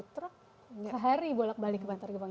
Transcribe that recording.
seribu dua ratus lima puluh ton sehari bolak balik ke bantar gebang